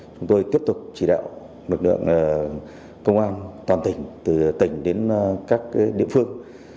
chúng tôi tiếp tục chỉ đạo lực lượng công an toàn tỉnh từ tỉnh đến các địa phương